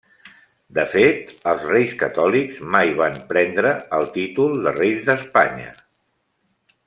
De fet, els Reis Catòlics mai van prendre el títol de reis d'Espanya.